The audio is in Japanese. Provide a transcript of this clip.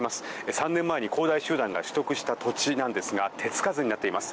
３年前に恒大集団が取得した土地なんですが手付かずになっています。